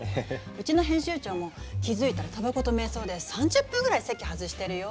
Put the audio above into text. うちの編集長も気付いたらたばこと瞑想で３０分くらい席外してるよ。